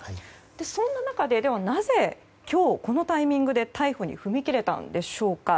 そんな中で、ではなぜ今日、このタイミングで逮捕に踏み切れたんでしょうか。